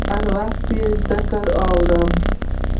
هر وخت یې ذکر اورم